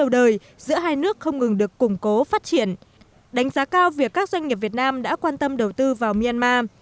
đánh giá cao việc các doanh nghiệp việt nam đã quan tâm đầu tư vào myanmar